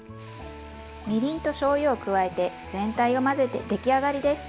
みりんとしょうゆを加えて全体を混ぜて出来上がりです。